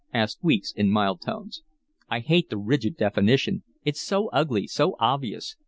asked Weeks, in mild tones. "I hate the rigid definition: it's so ugly, so obvious.